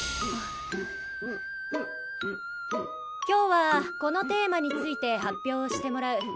今日はこのテーマについて発表をしてもらう。